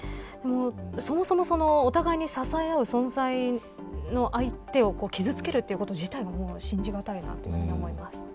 そもそもお互いに支え合う存在の相手を傷つける自体が信じがたいなと思います。